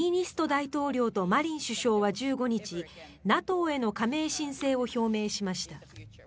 大統領とマリン首相は１５日ＮＡＴＯへの加盟申請を表明しました。